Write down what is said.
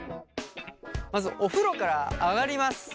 まずお風呂から上がります。